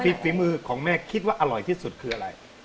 ฝีมือของแม่คิดว่าอร่อยที่สุดคืออะไร